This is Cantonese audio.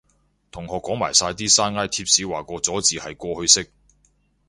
同學講埋晒啲山埃貼士話個咗字係過去式